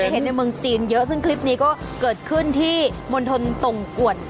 เห็นในเมืองจีนเยอะซึ่งคลิปนี้ก็เกิดขึ้นที่มณฑลตงกวด